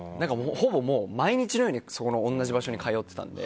ほぼ、毎日のように同じ場所に通ってたので。